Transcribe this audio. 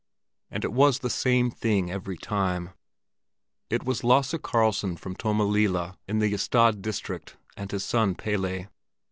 And it was the same thing every time. It was Lasse Karlsson from Tommelilla in the Ystad district, and his son Pelle.